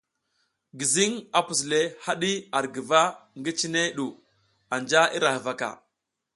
Gizing a a pus le hadi ar guva ngi, cine du anja ira huvaka.